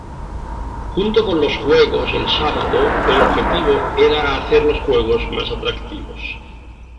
Junto con los juegos el sábado, el objetivo era hacer los juegos más atractivos.